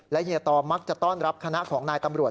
เฮียตอมักจะต้อนรับคณะของนายตำรวจ